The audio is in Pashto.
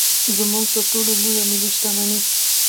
زموږ تر ټولو لویه ملي شتمني.